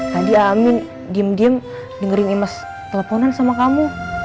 tadi amin diem diem dengerin imes teleponan sama kamu